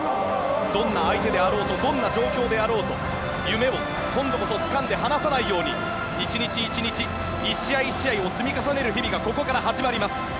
どんな相手だろうとどんな状況だろうと夢を今度こそつかんで離さないように１日１日、１試合１試合を積み重ねる日々がここから始まります。